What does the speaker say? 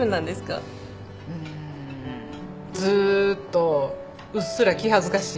ずーっとうっすら気恥ずかしい。